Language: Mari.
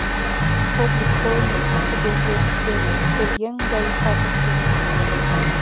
Ок лӱд кылме, йӱштӧ дечын — вет пӧръеҥ гай патыр тумо.